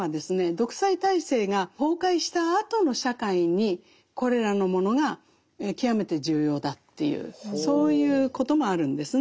独裁体制が崩壊したあとの社会にこれらのものが極めて重要だというそういうこともあるんですね。